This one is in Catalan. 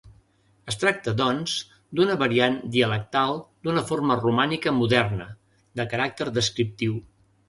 Es tracta, doncs, d'una variant dialectal d'una forma romànica moderna, de caràcter descriptiu.